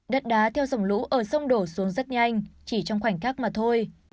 đất đá theo dòng lũ ở sông đổ xuống rất nhanh chỉ trong khoảnh khắc mà thôi